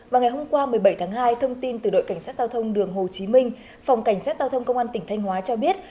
vào ngày hôm qua một mươi bảy tháng hai thông tin từ đội cảnh sát giao thông đường hồ chí minh phòng cảnh sát giao thông công an tỉnh thanh hóa cho biết